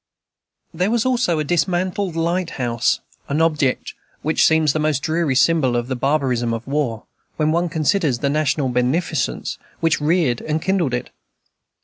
There was also a dismantled lighthouse, an object which always seems the most dreary symbol of the barbarism of war, when one considers the national beneficence which reared and kindled it.